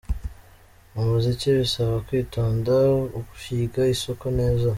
Mu muziki bisaba kwitonda ukiga isoko neza.